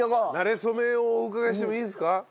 馴れ初めをお伺いしてもいいですか？